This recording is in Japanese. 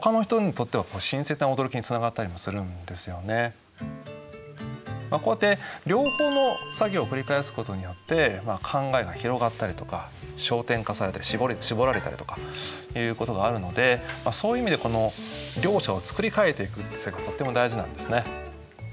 そもそもこうやって両方の作業を繰り返すことによって考えが広がったりとか焦点化されて絞られたりとかいうことがあるのでそういう意味でこの両者を作り替えていくとっても大事なんですね。